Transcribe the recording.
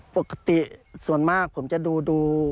ปกติส่วนมากผมจะดู